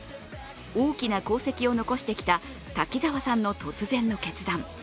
大きな功績を残してきた滝沢さんの突然の決断。